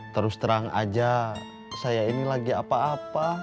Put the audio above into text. terus terang aja saya ini lagi apa apa